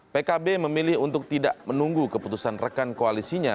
pkb memilih untuk tidak menunggu keputusan rekan koalisinya